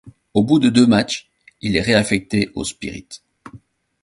Au bout de deux matchs, il est réaffecté au Spirit.